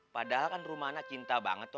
padahal kan rumahnya cinta banget tuh